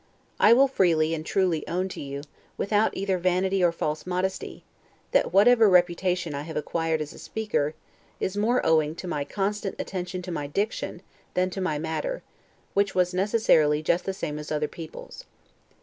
I will freely and truly own to you, without either vanity or false modesty, that whatever reputation I have acquired as a speaker, is more owing to my constant attention to my diction than to my matter, which was necessarily just the same as other people's.